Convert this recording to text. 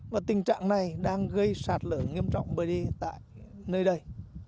và tình trạng này đang gây sạt lở nghiêm trọng bởi đi tại nơi đây